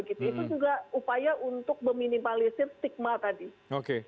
itu juga upaya untuk meminimalisir stigma tadi